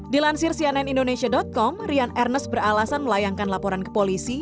dilansir cnn indonesia com rian ernest beralasan melayangkan laporan ke polisi